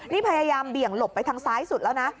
นี่พยายามเบี่ยงหลบไปทางซ้ายสุดแล้วนะ